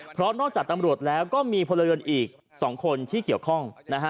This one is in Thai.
เพราะนอกจากตำรวจแล้วก็มีพลเรือนอีก๒คนที่เกี่ยวข้องนะฮะ